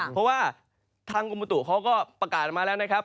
เพราะว่าทางกรมบุตุเขาก็ประกาศมาแล้วนะครับ